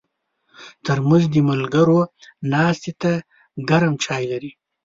ترموز د ملګرو ناستې ته ګرم چای لري.